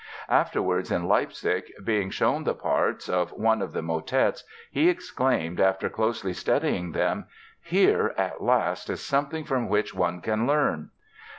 Afterwards, in Leipzig, being shown the parts of one of the motets he exclaimed after closely studying them: "Here, at last, is something from which one can learn!"